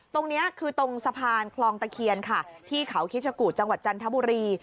ตรงนี้คือตรงสะพานคลองตะเคียนค่ะที่เขาคิชกุจังหวัดจันทบุรี